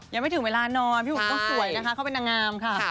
ยังไม่ถึงเวลานอนพี่อุ๋มต้องสวยนะคะเขาเป็นนางงามค่ะ